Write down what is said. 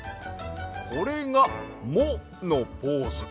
これが「モ」のポーズ。